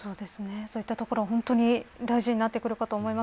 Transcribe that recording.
そういったところ本当に大事になってくるかと思います。